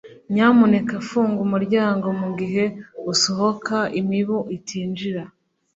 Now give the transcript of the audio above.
Nyamuneka funga umuryango mugihe usohoka imibu itinjira.